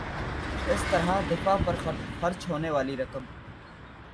اس طرح دفاع پر خرچ ہونے والی رقم